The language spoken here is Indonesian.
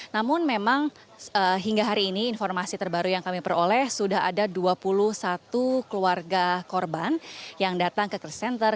namun memang hingga hari ini informasi terbaru yang kami peroleh sudah ada dua puluh satu keluarga korban yang datang ke crisis center